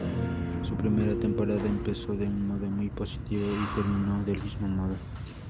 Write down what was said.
Su primera temporada empezó de un modo muy positivo, y terminó del mismo modo.